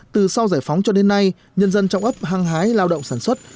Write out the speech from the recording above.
từ sau giải phóng cho đến nay nhân dân trong ấp hăng hái lao động sản xuất